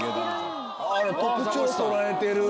特徴捉えてる。